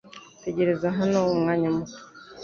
Tegereza hano umwanya muto .